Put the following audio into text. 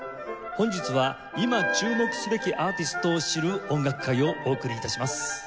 本日は「いま注目すべきアーティストを知る音楽会」をお送り致します。